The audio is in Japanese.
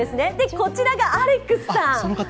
こちらがアレックスさん。